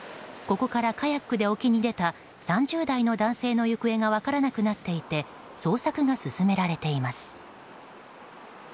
ここからカヤックで沖に出た３０代の男性の行方が分からなくなっていて捜索が進められています。